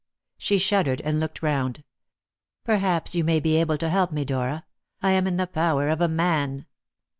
She shuddered, and looked round. "Perhaps you may be able to help me, Dora; I am in the power of a man."